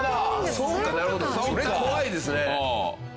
それ怖いですね。